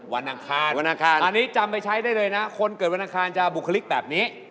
อังคารวันอังคารอันนี้จำไปใช้ได้เลยนะคนเกิดวันอังคารจะบุคลิกแบบนี้